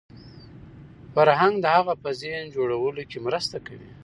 فرهنګ د هغه په ذهن جوړولو کې مرسته کوي